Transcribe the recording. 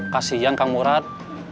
kasian kang murad